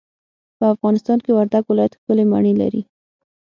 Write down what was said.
په افغانستان کي وردګ ولايت ښکلې مڼې لري.